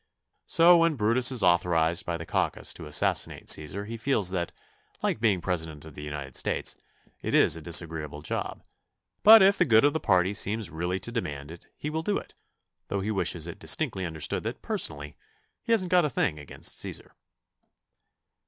So when Brutus is authorized by the caucus to assassinate Cæsar he feels that, like being President of the United States, it is a disagreeable job; but if the good of the party seems really to demand it he will do it, though he wishes it distinctly understood that personally he hasn't got a thing against Cæsar.